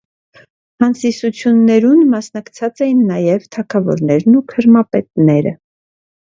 Հանսիսութիւններուն մասնակցած էին նաեւ թագաւորներն ու քրմապետները։